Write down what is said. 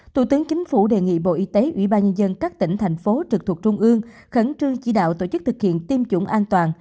thủ tướng chính phủ đề nghị bộ y tế ủy ban nhân dân các tỉnh thành phố trực thuộc trung ương khẩn trương chỉ đạo tổ chức thực hiện tiêm chủng an toàn